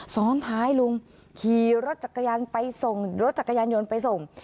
ซ้อนท้ายลุงขี่รถจักรยานไปส่งรถจักรยานยนต์ไปส่ง